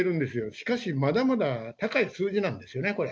しかしまだまだ高い数字なんですよね、これ。